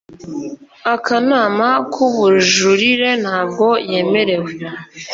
Akanama k Ubujurire ntabwo yemerewe